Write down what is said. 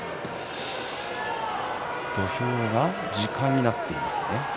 土俵が時間になっています。